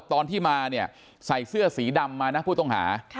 ตอนที่มาเนี่ยใส่เสื้อสีดำมานะผู้ต้องหา